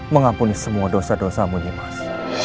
mengampuni semua dosa dosa mu nimas